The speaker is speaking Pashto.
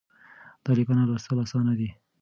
دا ليکنه لوستل اسانه ده.